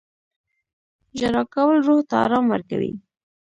• ژړا کول روح ته ارام ورکوي.